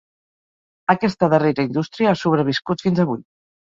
Aquesta darrera indústria ha sobreviscut fins avui.